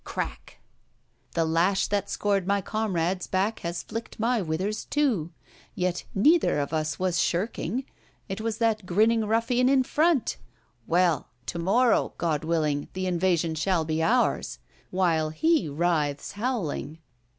Crack! the lash that scored my comrade's back has flicked my withers too; yet neither of us was shirking—it was that grinning ruffian in front. Well: to morrow, God willing, the evasion shall be ours, while he writhes howling.